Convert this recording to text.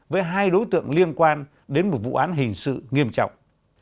với hai đối tượng liên quan đến một vụ án hình sự nghiêm trọng